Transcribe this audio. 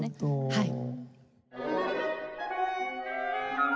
はい。